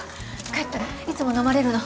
帰ったらいつも飲まれるの。